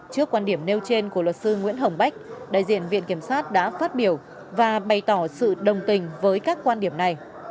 trước quan điểm nêu trên của luật sư nguyễn hồng bách đại diện viện kiểm sát đã phát biểu và bày tỏ sự đồng tình với các quan điểm này